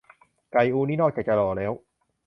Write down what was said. "ไก่อู" นี่ นอกจากจะหล่อแล้ว